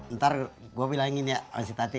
ntar gue bilangin ya sama si tati